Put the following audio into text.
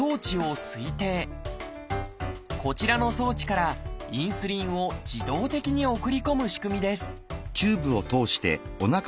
こちらの装置からインスリンを自動的に送り込む仕組みです